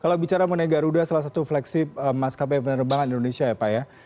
kalau bicara mengenai garuda salah satu flagship maskapai penerbangan indonesia ya pak ya